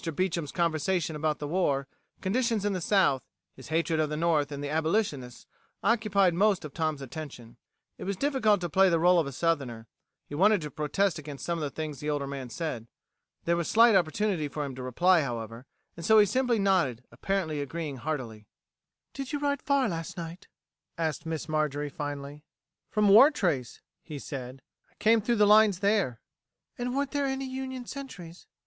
Beecham's conversation about the war, conditions in the South, his hatred of the North and the abolitionists, occupied most of Tom's attention. It was difficult to play the role of Southerner; he wanted to protest against some of the things the older man said. There was slight opportunity for him to reply, however, and so he simply nodded, apparently agreeing heartily. "Did you ride far last night?" asked Miss Marjorie finally. "From Wartrace," he said. "I came through the lines there." "And weren't there any Union sentries?"